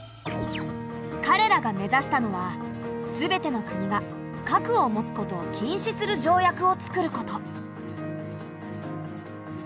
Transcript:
かれらが目指したのはすべての国が核を持つことを禁止する条約を作ること。